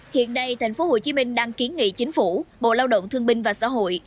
hiện nay tp hcm đang kiến nghị chính phủ bộ lao động thương binh và xã hội